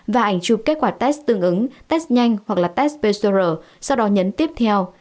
và ảnh chụp kết quả test tương ứng test nhanh hoặc là test petro sau đó nhấn tiếp theo